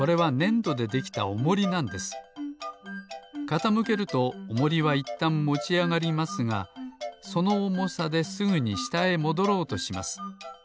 かたむけるとおもりはいったんもちあがりますがそのおもさですぐにしたへもどろうとします。